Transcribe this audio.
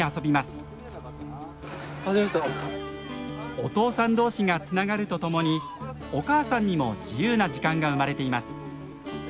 お父さん同士がつながるとともにお母さんにも自由な時間が生まれています。